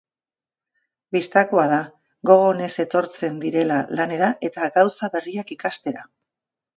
Bistakoa da, gogo onez etortzen direla lanera eta gauza berriak ikastera.